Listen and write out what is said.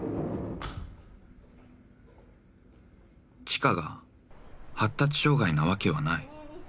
［知花が発達障害なわけはない］